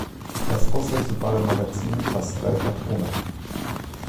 Das auswechselbare Magazin fasst drei Patronen.